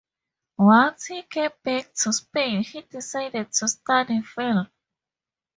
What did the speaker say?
Once he came back to Spain he decided to study film.